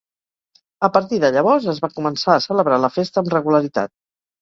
A partir de llavors es va començar a celebrar la festa amb regularitat.